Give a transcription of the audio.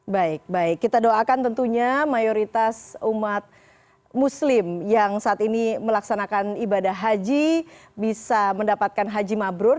baik baik kita doakan tentunya mayoritas umat muslim yang saat ini melaksanakan ibadah haji bisa mendapatkan haji mabrur